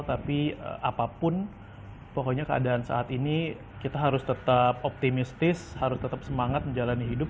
tapi apapun pokoknya keadaan saat ini kita harus tetap optimistis harus tetap semangat menjalani hidup